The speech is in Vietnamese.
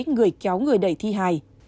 người kéo người đẩy thi hài